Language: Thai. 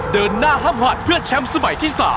เดินหน้าห้ามผ่านเพื่อแชมป์สมัยที่๓